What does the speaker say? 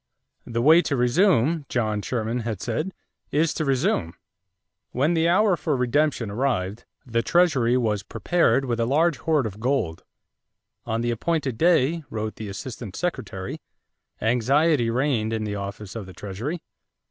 "The way to resume," John Sherman had said, "is to resume." When the hour for redemption arrived, the Treasury was prepared with a large hoard of gold. "On the appointed day," wrote the assistant secretary, "anxiety reigned in the office of the Treasury.